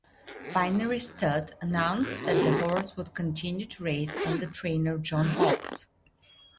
Vinery Stud announced that the horse would continue to race under trainer John Hawkes.